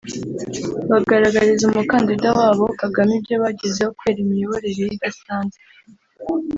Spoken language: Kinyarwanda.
bagaragariza umukandida wabo Kagame ibyo bagezeho kubera imiyoborere ye idasanzwe